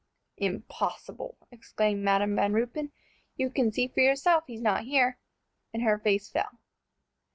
"Impossible!" exclaimed Madam Van Ruypen; "you can see for yourself he's not here," and her face fell.